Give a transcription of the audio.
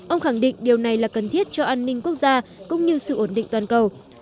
ông khẳng định điều này là cần thiết cho an ninh quốc gia cũng như sự ổn định toàn cầu